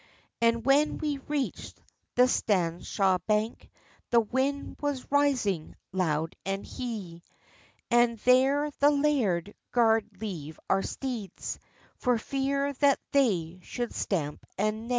And when we reachd the Staneshaw bank, The wind was rising loud and hie; And there the laird garrd leave our steeds, For fear that they should stamp and nie.